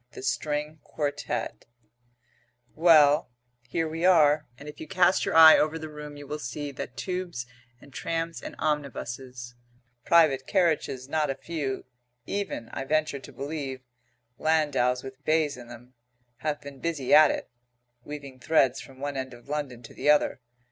THE STRING QUARTET Well, here we are, and if you cast your eye over the room you will see that Tubes and trams and omnibuses, private carriages not a few, even, I venture to believe, landaus with bays in them, have been busy at it, weaving threads from one end of London to the other.